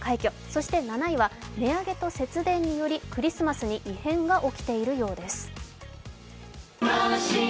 そして７位は値上げと節電によりクリスマスに異変が起きているようです。